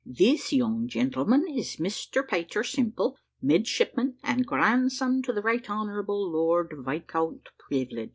This young gentleman is Mr Peter Simple, Midshipman, and grandson to the Right Honourable Lord Viscount Privilege."